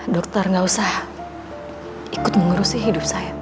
dokter gak usah ikut mengurusi hidup saya